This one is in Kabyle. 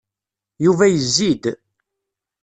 Yuba yezzi-d